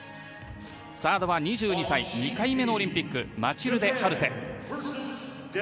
サードは２２歳、２回目のオリンピックマチルデ・ハルセ。